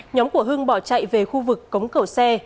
nhóm của hương bỏ chạy về khu vực cống cầu xe